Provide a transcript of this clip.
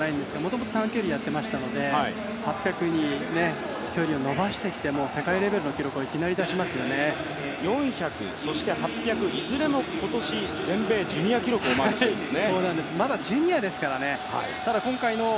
もともと短距離をやってましたので８００の距離を伸ばしてきても世界レベルの記録を４００そして８００いずれも今年、全米ジュニア記録をマークしてるんですね。